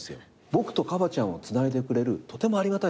僕とカバちゃんをつないでくれるとてもありがたい存在です。